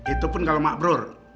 itu pun kalau makbror